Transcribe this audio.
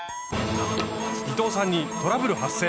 伊藤さんにトラブル発生。